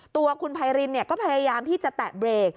ตัวคุณพายรินเนี่ยก็พยายามที่จะแตะเบรก